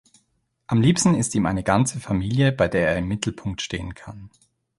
Am liebsten ist ihm eine ganze Familie, bei der er im Mittelpunkt stehen kann.